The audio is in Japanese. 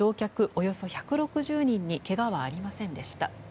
およそ１６２人に怪我はありませんでした。